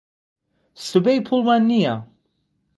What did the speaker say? سبەی پۆلمان نییە.